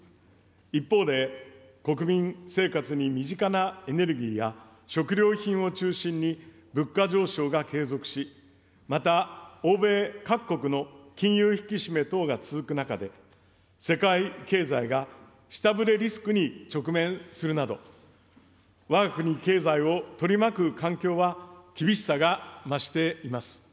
一方で、国民生活に身近なエネルギーや食料品を中心に、物価上昇が継続し、また、欧米各国の金融引き締め等が続く中で、世界経済が下振れリスクに直面するなど、わが国経済を取り巻く環境は厳しさが増しています。